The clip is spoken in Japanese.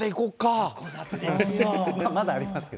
まだありますよ。